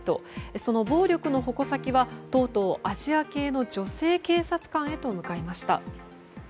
その暴力の矛先はとうとうアジア系の女性警察官へと向かいました。